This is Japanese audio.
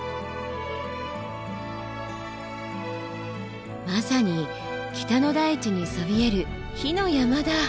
まさに北の大地にそびえる火の山だ。